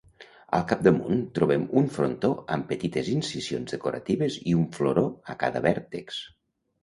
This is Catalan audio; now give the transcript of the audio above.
Al capdamunt trobem un frontó amb petites incisions decoratives i un floró a cada vèrtex.